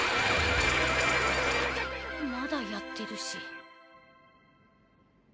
まだやってるし。